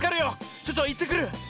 ちょっといってくる！